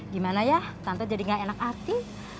gimana ya tante jadi gak enak hati